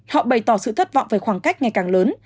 họ bày tỏ sự thất vọng về khoảng cách ngày càng lớn